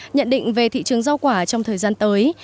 nhận định về thị trường rau quả trong thời gian tới